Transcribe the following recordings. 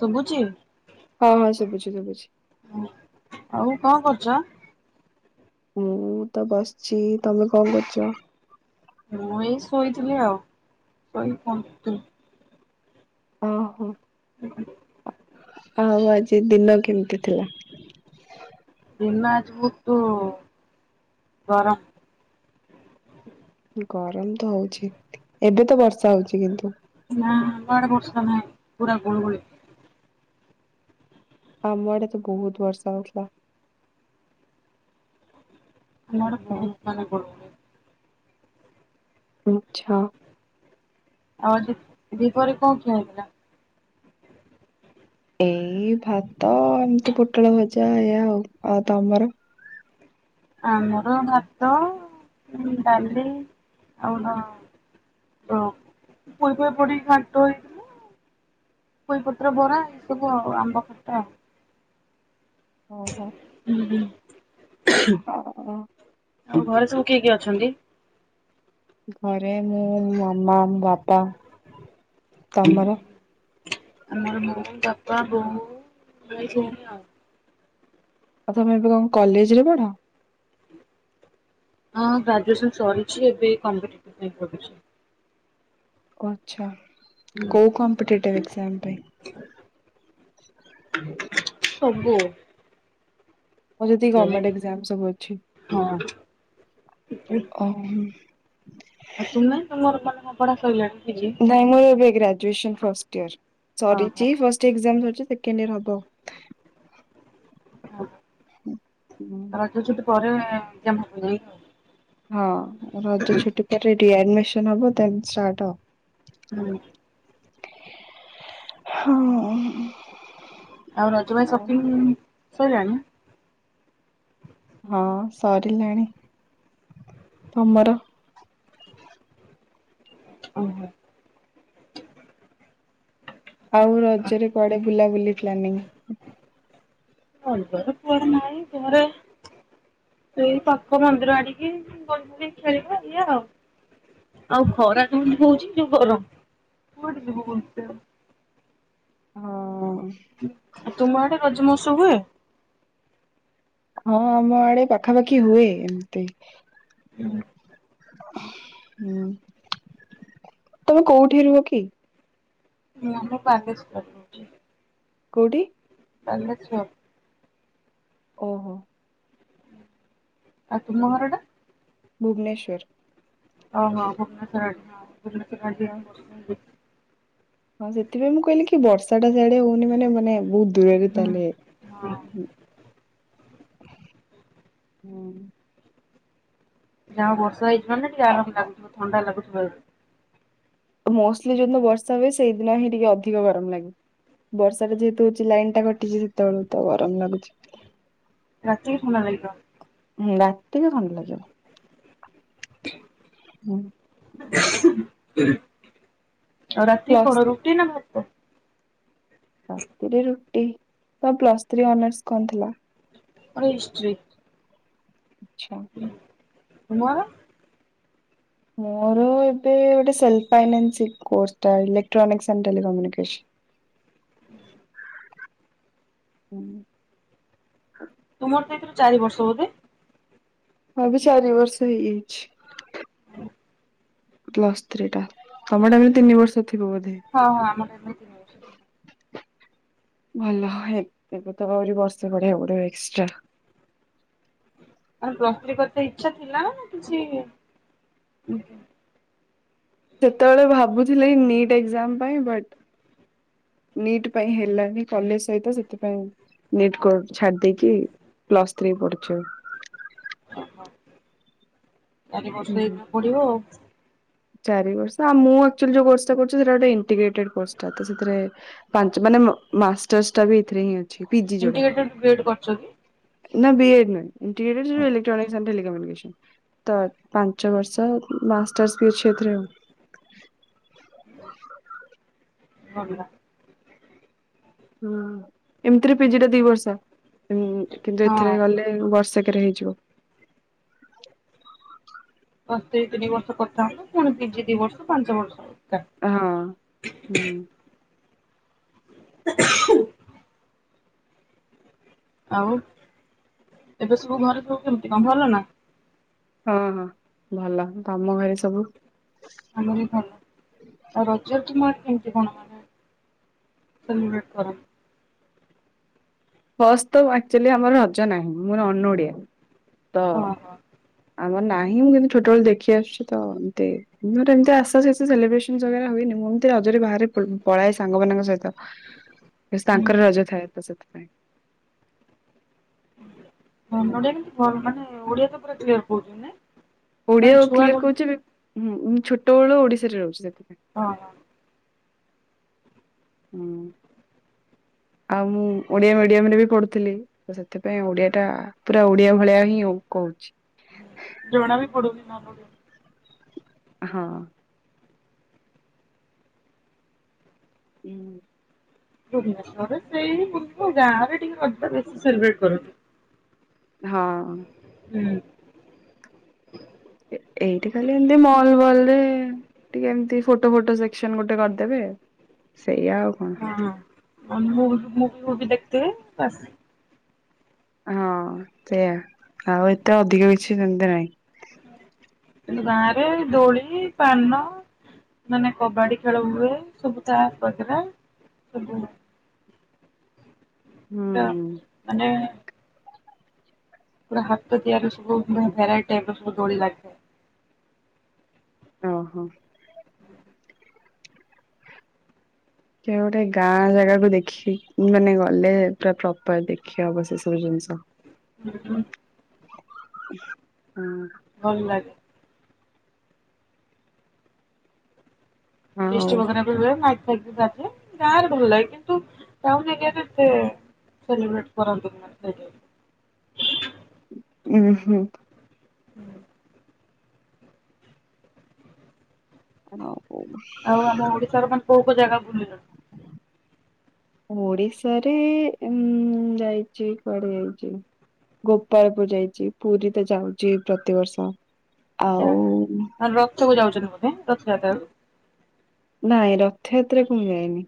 ଶୁବୁଚି? ହଁ ହଁ ଶୁବୁଚି ଶୁବୁଚି। ଉଁ ଆଉ କଁ କରୁଚ? ମୁଁ ତ ବସଚି ତମେ କଣ କରୁଚ? ମୁଁ ଏଇ ଶୋଇଥିଲି ଆଉ ସୋଇ ଫୋନ ଥିଲି। ଅ ହୋ। ଆଉ ଆଜି ଦିନ କେମତି ଥିଲା? ଦିନ ଆଜି ଭୁତୁ ଗରମ। ଗରମ ତ ହୋଉଛି ଏବେ ତ ବର୍ଷା ହୋଉଚି କିନ୍ତୁ। ନାଁ ଆମ ଆଡେ ବର୍ଷା ନାହିଁ ପୁରା ଗୁଳଗୁଳି। ଆମ ଆଡେ ତ ବହୁତ ବର୍ଷା ହଉଥିଲା। ନା ଆଡ଼େ ହଁ ବହୁତ ମନେ ଗୁ ମିଛ। ଆଉ ଆଜି ଦିପରେ କଁ ଖିଆ ହେଇଥିଲ? ଏଇ ଭାତ ଏମିତି ପୋଟଳ ଭଜା ଇଆ ହୋଉ ଆଉ ତମର? ଆମର ଭାତ, ଡାଲି ଆଉ ଡ [unintelligible] ପୋଇପତ୍ର ବରା ଏ ସବୁ ଆଉ ଆମ୍ବ ଖଟା। ଓହୋ। ଉଁହୁ [unintelligible] ଆଉ ଘରେ ସବୁ କିଏ କିଏ ଅଛନ୍ତି? ଘରେ ମୁଁ ମମା ବାପା। ତମର? ଆମର ମୁଁ ବାପା ବୋଉ ରହି ଛନି ଆଉ। ଆଉ ତମେ ଏବେ କଁ କଲେଜ ରେ ପଢ? ହଁ ଗ୍ରାଜୁଏସନ୍ ସରିଚି ଏବେ ଏଇ କମ୍ପେଟିଭ ପାଇଁ ପଢୁଚି। କଛା ହୁଁ କୋଉ କମ୍ପେଟିଭ ଏକ୍ଜାମ୍ ପାଇଁ? ସବୁ ଆଉ ଯେତିକି ଗର୍ମେଣ୍ଟ ଯେହେତୁ ଏକ୍ଜାମ୍ ସବୁ ଅଛି। ହଁ। ଓ ହୁଁ ଆଉ ତୁମେ ତ ମୋର ମନ ପଢା ସରିଲାଣି ପି ଯି? ନାଇଁ ମୋ ଏବେ ଗ୍ରାଜୁଏସ ଫାଷ୍ଟଡିଅର୍ ଓହୋ। ସରିଚି ଫାଷ୍ଟ ଏକ୍ଜାମ୍ ସରିଚି ସେକେଣ୍ଡ ୟୀଅର୍ ହବ। [unintelligible] ହୁଁ। ରଜ ଛୁଟି ପରେ ଯେମ୍ହା [unintelligible] ହଁ ରଜ ଛୁଟି ପରେ ରିଆଡିମିସନ୍ ହବ ଦେନ୍ ଷ୍ଟାଟ୍ ହ ହୁଁ ହୁଁ ଉଁ ଆଉ ରଜ ପାଇଁ ସପିଙ୍ଗ୍ ସଇଲାଣି? ହଁ ସରିଲାଣି ତମର? ଉହୁଁ ଆଉ ରଜରେ କୁଆଡେ ବୁଲା ବୁଲି ପ୍ରାନିଙ୍ଗ୍? [unintelligible] ନାହି ଘରେ। ସେଇ ପାଖ ମନ୍ଦିର ଆଡିକି ବସିକି ଖେଳିବା ଏଇଆ ଆଉ। ଆଉ ଖରା କେମିତି ହଉଚି ଯୋଉ ଗରମ କୁଆଡେ ଯିବୁ ବୁଲିତେ। ହଁ ତୁମ ଆଡେ ରଜ ମହୋତ୍ସବ ହୁଏ। ହଁ ଆମ ଆଡେ ପାଖାପାଖି ହୁଏ ଏମିତି। ହୁଁ ହୁଁ, ତମେ କୋଉଠି ରୁହ କି? ଆମେ ବାଲେସ୍ୱର ରୁ। କେଉଁଠି? ବାଲେଶ୍ୱର। ଓହୋ ଆଉ ତୁମ ଘର ଟା? ଭୁବନେଶ୍ୱର। ଓ ହଁ ଭୁବନେଶ୍ୱର ଆଡେ ହଁ ଭୁବନେଶ୍ୱର ବି ହଁ ବର୍ଷା। ହେଇଯାଇଛି। ହଁ ସେଥିପାଇଁ ମୁଁ କହିଲି କି ବର୍ଷା ଟା ସେଆଡେ ହଉନି ମାନେ ମାନେ ବହୁତ ଦୂରରେ ହୁଁ ତାହାଲେ ହଁ ହୁ ଯାହା ହଉ ବର୍ଷା ହେଇଛି ମାନେ ଟିକେ ଆରାମ ଲାଗୁଥିବ ଥଣ୍ଡା ଲାଗୁଥିବ। ମୋଷ୍ଟଲି ଯୋଉ ଦିନ ବର୍ଷା ହୁଏ, ସେଇଦିନ ହିଁ ଟିକେ ଅଧିକ ଗରମ ଲାଗେ। ବର୍ଷାଟା ଯେହେତୁ ହଉଛି ଲାଇନ୍‌ ଟା କଟିଚି ସେତେବେଳୁ ତ ଗରମ ଲାଗୁଚି। ରାତି କି ଥଣ୍ଡା ଲାଗିବ। ହୁଁ ରାତିକି ଥଣ୍ଡା ଲାଗିବ। [inaudible] ହୁଁ। ଆଉ ରାତିକି ପ୍ଲସ୍ କଣ ରୁଟି ନା ଭାତ? ରାତିରେ ରୁଟି ତମ ପ୍ଲସ୍ ଥ୍ରୀ ଅନର୍ସ କଣ ଥିଲା? ମୋର ହିଷ୍ଟ୍ରି। ଆଚ୍ଛା। ତୁମର। ମୋର ଏବେ ଗୋଟେ ସେଲ୍‌ପାଇନେସି କୋର୍ସଟା ଲେକ୍ଟ୍ରୋନିକ୍ସ ଏଣ୍ଡ ଟେଲିିକମ୍ୟୁନିକେସ୍‌। ହୁଁ। ତୁମର ତ ଏଥିରୁ ଚାରି ବର୍ଷ ବୋଧେ। ହଁ ଏବେ ଚାରି ବର୍ଷ ହେଇଯାଇଛି। ହୁଁ। ପ୍ଲସ ଥ୍ରୀ ଟା ତମ ଟାଇମ୍ ରେ ତିନି ବର୍ଷ ଥିବ ବୋଧେ। ହଁ ହଁ [unintelligible] ଭଲ ଏବେ ତ ଆହୁରି ବର୍ଷେ ପଢିବାକୁ ପଢିବ ଏକ୍ସଟ୍ରା। ପ୍ଲସ୍ ଥ୍ର୍ରୀ କରିତେ ଇଚ୍ଛା ଥିଲା ନା କିଛି ସେତେବେଳେ ଭାବୁଥିଲି ନିଟ୍ ଏକ୍ଜାମ ପାଇଁ ବଟ୍ ନିଟ୍ ପାଇଁ ହେଲାନି କଲେଜ ସହିତ ସେଥିପାଇଁ ନିଟ୍ କୋ ଛାଡି ଦେଇେକି ପ୍ଲସ୍ ଥ୍ରୀ ପଢୁଛି ଏବେ। ଓ ହ ଚାରି ବର୍ଷ ହୁଁ ଏଇନେ ପଢ଼ିବ ଆଉ। ଚାରି ବର୍ଷ ଆଉ ମୁଁ ଏକ୍ଚୁଲି ଯୋ କୋର୍ସଟା କରୁଛି ସେଡ଼ା ଗୋଟେ ଏଣ୍ଟିଗ୍ରେଟ୍ କୋର୍ସଟା ତ ସେଥିରେ ପାଞ୍ଚ ମାନେ ମାଷ୍ଟର୍ସ ଟା ବି ଏଥିରେ ହିଁ ଅଛି। ପିଜି ଯୋଉଟା ଇଣ୍ଟିଗ୍ରେଟ୍ଡ ବିଏଡ୍‌ କରିଚନ୍ତି। ନା ବିଏଡ୍‌ ନାହିଁ, [unintelligible] ଲିଟର୍ଟର [unintelligible] ପାଞ୍ଚ ବର୍ଷ ମାଷ୍ଟର୍ସ ଏଫେ ଏମ୍ [unintelligible] ହୁଁ ଏମିତିରେ ପିଜି ଟା ଦି ବର୍ଷ କିନ୍ତୁ ହଁ ଏଥରେ ଗଲେ ଏଇ ବର୍ଷକରେ ହେଇଯିବ। ପ୍ଲସ୍‌ ଥ୍ରୀ ହଁ ତିନି ବର୍ଷ କରି ଥାନ୍ତୁ। ପୁଣି ପିଜି ଦି ବର୍ଷ ପାଞ୍ଚ ବର୍ଷ। ଏକା। ହଁ ହୁଁ। [unintelligible] ଆଉ ଏବେ ସବୁ [unintelligible] କେମିତି ଗନ୍ଧ [unintelligible] ନା। ହଁ ହଁ ଭଲ ତମ ଘରେ ସବୁ ଆମରି ଭଲ, ଆଉ ରଜ ତୁମର କେମତି କଣ [unintelligible] ସେଲିବେଟ କର? ଫଷ୍ଟ ତ ଆଚୁଆଲି ଆମର ରଜ ନାହିଁ, ମୁଁ ଅନ ଓଡିଆ ତ ହଁ ହଁ ଆମର ନାହିଁ, ମୁଁ କିନ୍ତୁ ଛୋଟବେଳେ ଦେଖି ଆସୁଛି ତ ଏତେ ମୋର ଏମତି [unintelligible] ସେଲିବ୍ରେସନ ବଗରା ହୁଏନି, ମୁଁ ଏମତି ରଜରେ ବାହାରେ ପଳାଏ ସାଙ୍ଗମାନଙ୍କ ସହିତ। [inaudible] ତାଙ୍କର ହୁଁ। ରଜ ଥାଏ ତ ସେଥିପାଇଁ। ନନ୍ ହୁଁ ଓଡିଆ କି ଭଲ ମାନେ ଓଡିଆ ତ ପୁରା କ୍ଟିୟର୍ କହୁଛନ୍ତି ନା। ଓଡିଆ ଆଉ କ୍ଲିୟର କହୁଛି। ମୁଁ ଛୋଟ ବେଳୁ ଓଡିଶାରେ ରହୁଛି ସେଥିପାଇଁ। ହଁ। ହୁଁ ଆଉ ମୁଁ ଓଡିଆ ମିଡିୟମ ରେ ବି ପଢୁଥିଲି। ତ ସେଥିପାଇଁ ଓଡିଆ ଟା ପୁରା ଓଡିଆ ଭଳିଆ ହିଁ ହଉ କହୁଚି। ଜଣା ବି ପଡୁନି [unintelligible] [unintelligible] [inaudible] ଭୁବନେଶ୍ୱରରେ ସେଇ ପୂର୍ବ ଗାଁ ରେ ଟିକେ ଅଧି ବେଶୀ ସେଲିବ୍ରେଟ୍ କରନ୍ତି। ହଁ ହଁ। ହୁଁ। ଏ ଏଇଠି ଖାଲି ଏମତି ମଲ ବଲ ରେ ଟିକେ ଏମତି ଫୋଟୋ ଫୋଟୋ ସେକ୍ସନ ଗୋଟେ କରିଦେବେ ସେଇଆ ଆଉ କଣ ହଁ ମୁଁ ମୁଭିି ଫୁଭି ଦେଖଥିବେ ବାସ ହଁ ସେଇୟା ଆଉ ଏତେ ଅଧିକ କିଛି ସେମତି ନାହିଁ। କିନ୍ତୁ ଗାଁ ରେ ଦୋଳି ପାନ ମାନେ କବାଡି ଖେଳ ହୁଏ ସବୁ ତା ପାଖେରେ ସବୁ ହୁଁ। ତା ମାନେ ପୁରା ହାତ ତିଆରିର ସବୁ ମାନେ ଭେରାଇଟ ଟାଇପ ର ସବୁ ଦୋଳି ଲାଗେ। ହୁଁ। ଦେଖିଆ ଗୋଟେ ଗାଁ ଜାଗାକୁୁ ଦେଖି ମାନେ ଗଲେ ପୁରା ପ୍ରପର ଦେଖି ହବ ସେ ସବୁ ଜିନିଷ। ହୁଁ ହୁଁ। ହଁ। ଭଲ ଲାଗେ। ଆଉ ଫିଷ୍ଟ [unintelligible] ମାଇକ ଫାଇକ ବି ବାଜେ ଗାଁରେ ଭଲ ଲାଗେ କିନ୍ତୁ ଟାଉନ ଏରିଆରେ ଏତେ ସେଲିିବ୍ରେଟ କରନ୍ତିନି ମାନେ ଯାଇକି। ଉଁ ହୁଁ। ହୁଁ ଆଉ କୋଉ ଉଇସ୍‌? ଆଉ ଆମ ଓଡିଶାର ମାନେ କୋଉ କୋଉ ଜାଗା ବୁଲିଲଣି? ଓଡିଶାରେ ଏମ ଯାଇଚି କୁଆଡେ ଯାଇଚି। ଗୋପାଳପୁର ଯାଇଚି ପୁରୀ ତ ଯାଉଚି ପ୍ରତିବର୍ଷ ଆଉ ଆଁ ରଥକୁ ଯାଉଚନ୍ତି ବୋଧେ ରଥଯାତ୍ରାକୁ? ନାଇଁ ରଥଯାତ୍ରା କୁ ମୁଁ ଯାଇନି।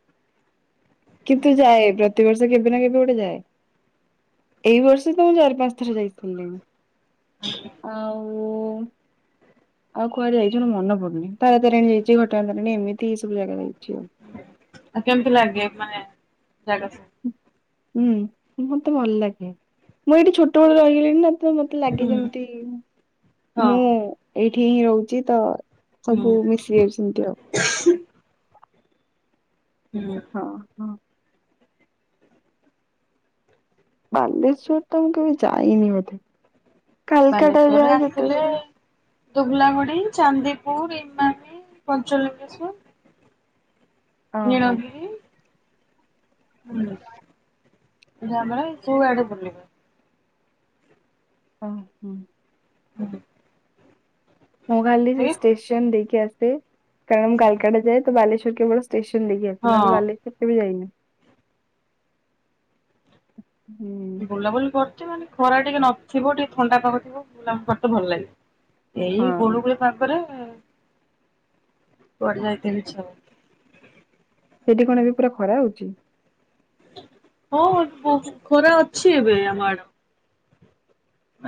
କିନ୍ତୁ ଯାଏ ପ୍ରତିବର୍ଷ କେବେ ନା କେବେ ଗୋଟେ ଯାଏ। ଏଇ ବର୍ଷ ତ ମୁଁ ଚାରି ପାଞ୍ଚ ଥର ଯାଇଥ୍ଵଲିଣି। [unintelligible] ଆଉ ଆଉ କୁଆଡେ ଯାଇଚି ମୋର ମନେ ପଡୁନି ତାରା ତାରେଣୀ ଯାଇଚି ଘଟଗାଁ ତାରେଣୀ ଏମିତି ଏ ସବୁ ଜାଗା ଯାଇଚି ଆଉ। ଆ କେମତି ଲାଗେ ମାନେ ଜାଗା ସବୁ। ହୁଁ ମତେ ଭଲ ଲାଗେ ମୁଁ ଏଇଠି ଛୋଟବେଳୁ ରହଗିଲିଣି ନା। ତ ମତେ ଲାଗେ ହୁଁ। ଯେମତି ହଁ ମୁଁ ଏଇଠି ହିଁ ରହୁଚି ତ ହୁଁ ସବୁ ମିଶି ଯାଇଛି ସେମିତି ଆଉ। ହୁଁ ଅ ହ ହ ବାଲେଶ୍ଵର ତ ମୁଁ କେବେ ଯାଇନି ବଧେ କାଲକାଟା ଯାଏ ଯେତେବେଳେ ଧୁବଲାଗୁଡି ଚାନ୍ଦିପୁର ଇମାନି ପଞ୍ଚଲଙ୍ଗେଶ୍ୱର ଓହୋ ନୀଳଗିରି ହୁଁ ଯିବାବେଳେ ସୁଆଡେ ବୁଲିବେ। ହା ଉଁ ହୁଁ ହୁଁ ମୁଁ ଖାଲି ସେ ଏଇ ଷ୍ଟେସନ ଦେଇକି ଆସେ କାରଣ ମୁଁ କାଲକାଟା ଯାଏ ତ ବାଲେଶ୍ୱର କେବଳ ଷ୍ଟେସନ ଦେଇକି ଆସେ ନହଲେ ହଁ ବାଲେଶ୍ୱର କେବେ ଯାଇନି ହୁଁ ବୁଲାବୁଲି କରୁଚି ମାନେ ଖରା ଟିକେ ନଥିବ ଟିକେ ଥଣ୍ଡା ପାାଗ ଥିବ ବୁଲାବୁଲି କରତେ ଭଲ ଲାଗେ। ଏଇ ହଁ ଗୁଲୁଗୁଳି ପାଗରେ କୁଆଡ଼େ ଯାଇତେ ଇଚ୍ଛା ହୁଏନି। ସେଠି କଣ ଏବେ ପୁରା ଖରା ହଉଛି? ହଁ ଖରା ଅଛି ଏବେ ଆମ ଆଡ଼େ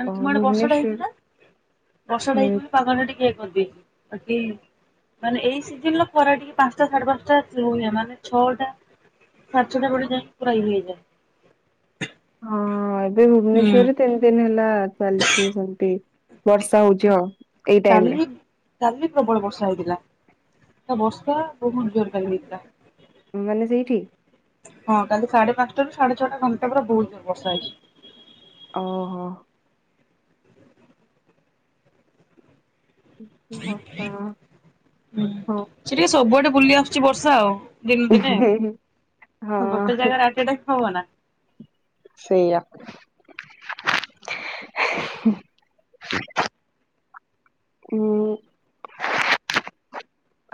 ଆମ ତୁମ ଆଡେ ବର୍ଷା ଟା ଭୁବନେଶ୍ୱର ହେଇଚିନା ବର୍ଷା ଟା ହୁଁ ହେଇଥିଲା ପାଗ ଟା ଟିକେ ଇଏ କରିି ଦେଇଚି। ମାନେ ଏଇ ସିଜିନର ଖରା ଟିକେ ପାଞ୍ଚଟା ସାଢେ ପାଞ୍ଚଟା ହୁଏ ମାନେ ଛଅଟ ସପାଞ୍ଚଟା ବେଳେ ଯାଏଁ ପୁର ଇଏ ହୋଇଯାଏ। ହଁ ଏବେ ହୁଁ। ଭୁବନେଶ୍ବରରେ ତିନି ଦିନ ହେଲା ଚାଲିଛି ସେମତି ବର୍ଷା ହଉଛି ହଁ। ଏଇ ଟାଇମ ରେ କାଲି କାଲି ପ୍ରବଳ ବର୍ଷା ହେଇଥିଲା ତ ବର୍ଷା ବହୁତ ଜୋର କାଲି ହେଇଥିଲା। ମାନେ ସେଇଠି? ହଁ କାଲି ସାଢେ ପାଞ୍ଚଟାୁ ସାଢେ ଛଟା ଘଣ୍ଟା ପୁରା ବହୁତ ଜୋର୍ ବର୍ଷା ହେଇଛି। ଓହୋ। ହୁଁ ବର୍ଷା ସେ ହଁ ଟିକେ ସବୁଆଡେ ବୁଲି ଆସୁଛି ବର୍ଷା ଆଉ ଦିନେ ଦିନେ ଆଉ ଗୋଟେ ହଁ ଜାଗାରେ ଜାଗାରେ ଟାଇମ୍ ହବ ନା ସେଇଆ। ହୁଁ।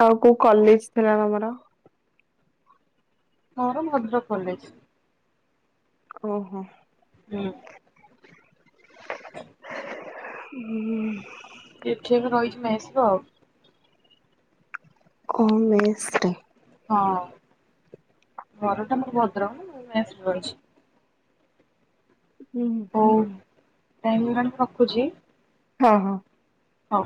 ଆଉ କୋଉ କଲେଜ ଥିଲା ତମର? ମୋର ମଧ୍ୟପ୍ରଦେଶ। ଓହୋ। ହୁଁ। [inaudible] [inaudible] ଏଠି ବି ରହିଛି [unintelligible] କୋଉ ମେସ୍‌ରେ? ହଁ ଘର ଟା ମୋର ଭଦ୍ରକ ମୁଁ ଭୁବେନେଶ୍ୱର ରହିଚି। ହୁଁ ହୁଁ। ରାଇମ୍ [unintelligible] ରଖୁଛି। ଓହୋ। ହଉ।